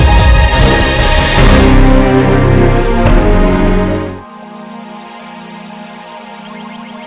sampai jumpa lagi